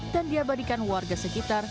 dan diabadikan warga sekitar